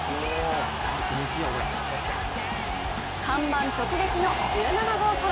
看板直撃の１７号ソロ。